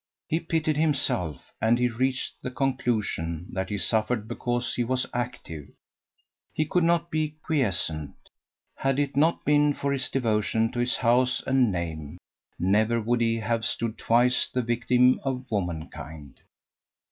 He pitied himself, and he reached the conclusion that he suffered because he was active; he could not be quiescent. Had it not been for his devotion to his house and name, never would he have stood twice the victim of womankind.